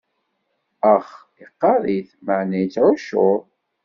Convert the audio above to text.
Ax, iqqaṛ-it, meɛna ittɛuccur.